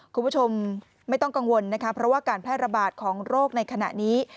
คุณผู้ชมไม่ต้องกังวลนะคะเพราะว่าการแพร่ระบาดของโรคในขณะนี้